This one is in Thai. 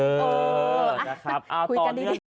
คุยกันดีนะครับตอนนี้คุยกันดี